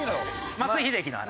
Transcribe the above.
松井秀喜の話。